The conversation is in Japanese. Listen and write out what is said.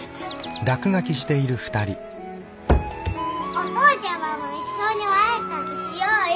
お父ちゃまも一緒にお絵描きしようよ。